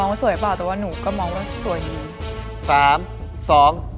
พลอยเชื่อว่าเราก็จะสามารถชนะเพื่อนที่เป็นผู้เข้าประกวดได้เหมือนกัน